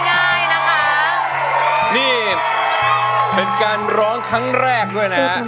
คุณยายแดงคะทำไมต้องซื้อลำโพงและเครื่องเสียง